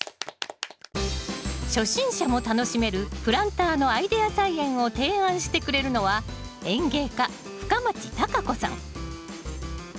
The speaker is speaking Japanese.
初心者も楽しめるプランターのアイデア菜園を提案してくれるのは園芸家深町貴子さん。